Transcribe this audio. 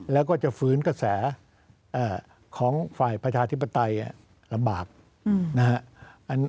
แล้วก็จะฝืนกระแสของฝ่ายประชาธิปไตยลำบากนะฮะ